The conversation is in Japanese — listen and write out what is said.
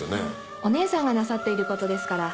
お姉さんがなさっていることですから。